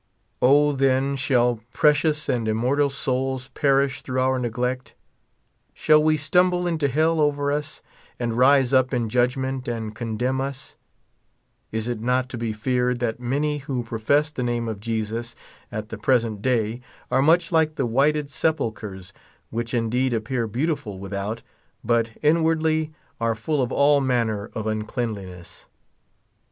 O, then, shall precious and immortal souls per ish through our neglect ? Shall they stumble into hell over us, and rise up in judgment and condemn us ? Is it not to be feared that many who profess the name of Jesus at the present day are much like the whited sepulchres, which indeed appear beautiful witliout, but inwardly are full of all manner of uncleauliness